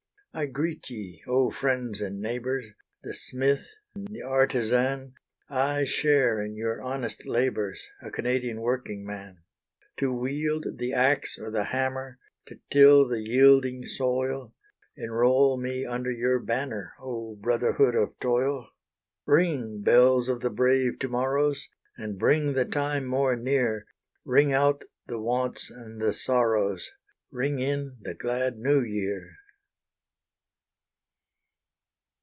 I greet ye! oh friends and neighbours The smith and the artizan; I share in your honest labours, A Canadian working man. To wield the axe or the hammer, To till the yielding soil, Enroll me under your banner, Oh Brotherhood of Toil! Ring, bells of the brave to morrows! And bring the time more near: Ring out the wants and the sorrows, Ring in the glad New Year!